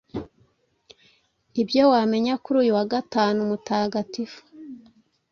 Ibyo wamenya kuri uyu wa gatanu mutagatifu